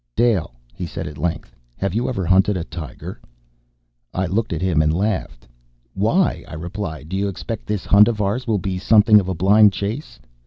"Dale," he said at length, "have you ever hunted tiger?" I looked at him and laughed. "Why?" I replied. "Do you expect this hunt of ours will be something of a blind chase?"